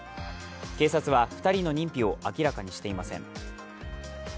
警察は、２人の認否を明らかにしていません。